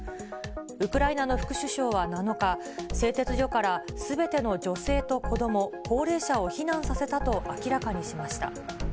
ウクライナの副首相は７日、製鉄所からすべての女性と子ども、高齢者を避難させたと明らかにしました。